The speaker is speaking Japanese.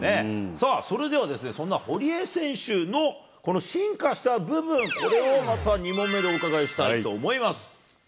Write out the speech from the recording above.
さあ、それでは、そんな堀江選手のこの進化した部分、これをまた２問目でお伺いしたいと思います。